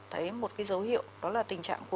thấy một cái dấu hiệu đó là tình trạng của